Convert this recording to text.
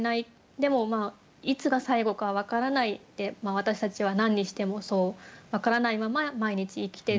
でもいつが最後か分からないって私たちは何にしてもそう分からないまま毎日生きてる。